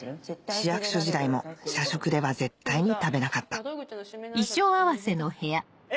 市役所時代も社食では絶対に食べなかったえ